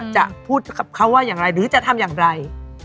จะพูดกับเขาว่าอย่างไรหรือจะทำอย่างไร